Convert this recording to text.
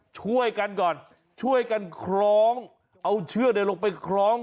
ช่วยกันก่อนช่วยกันคล้องเอาเชือกลงไปคล้อง